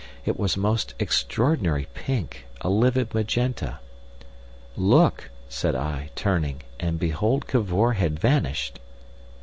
It was a most extraordinary pink, a livid magenta. "Look!" said I, turning, and behold Cavor had vanished.